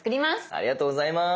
ありがとうございます。